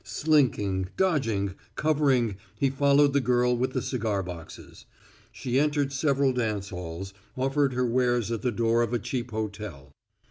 Slinking, dodging, covering, he followed the girl with the cigar boxes. She entered several dance halls, offered her wares at the door of a cheap hotel.